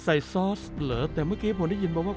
ซอสเหรอแต่เมื่อกี้ผมได้ยินมาว่า